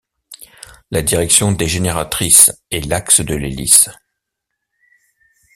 La direction des génératrices est l'axe de l'hélice.